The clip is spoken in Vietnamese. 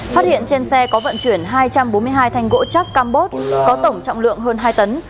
phát hiện trên xe có vận chuyển hai trăm bốn mươi hai thanh gỗ chắc cam bốt có tổng trọng lượng hơn hai tấn